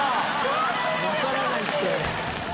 わからないって。